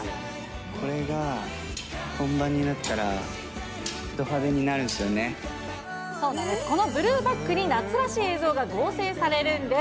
これが本番になったら、そうなんです、このブルーバックに夏らしい映像が合成されるんです。